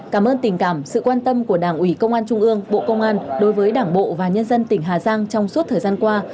cảm ơn tình cảm sự quan tâm của đảng ủy công an trung ương bộ công an đối với đảng bộ và nhân dân tỉnh hà giang trong suốt thời gian qua